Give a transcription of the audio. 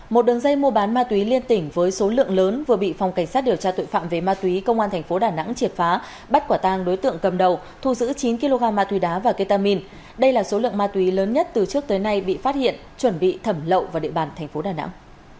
một đường dây mua bán ma túy liên tỉnh với số lượng lớn vừa bị phòng cảnh sát điều tra tội phạm về ma túy công an thành phố đà nẵng triệt phá bắt quả tang đối tượng cầm đầu thu giữ chín kg ma túy đá và ketamin đây là số lượng ma túy lớn nhất từ trước tới nay bị phát hiện chuẩn bị thẩm lậu vào địa bàn thành phố đà nẵng